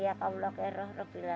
dan allah memberkati dia